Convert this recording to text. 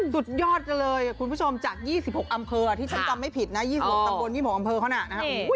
สุดยอดกันเลยคุณผู้ชมจาก๒๖อำเภอที่ฉันจำไม่ผิดนะ๒๖ตำบล๒๖อำเภอเขาน่ะนะครับ